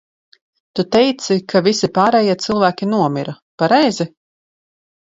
Tu teici, ka visi pārējie cilvēki nomira, pareizi?